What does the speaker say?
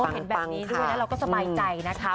เห็นแบบนี้ด้วยนะเราก็สบายใจนะคะ